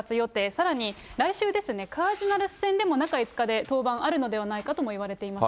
さらに来週ですね、カージナルス戦でも中５日で登板あるのではないかといわれてます